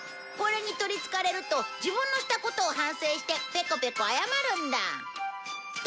これに取りつかれると自分のしたことを反省してペコペコ謝るんだ。